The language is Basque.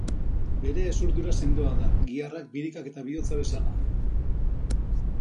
Bere hezurdura sendoa da, giharrak, birikak eta bihotza bezala.